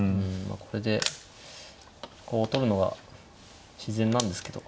これでこう取るのが自然なんですけど。